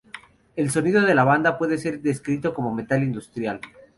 El sonido de la banda puede ser descrito como metal industrial.